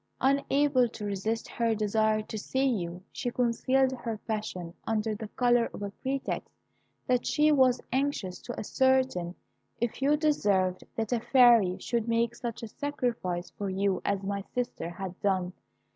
"Unable to resist her desire to see you, she concealed her passion under the colour of a pretext that she was anxious to ascertain if you deserved that a fairy should make such a sacrifice for you as my sister had done.